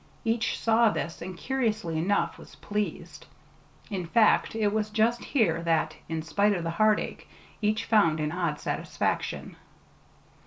Each saw this, and, curiously enough, was pleased. In fact, it was just here that, in spite of the heartache, each found an odd satisfaction.